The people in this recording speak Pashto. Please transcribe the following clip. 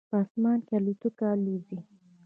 په اسمان کې الوتکه الوزي